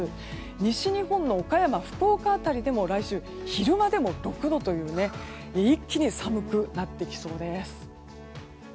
西日本の岡山、福岡辺りでも来週、昼間でも６度と一気に寒くなってきそうです。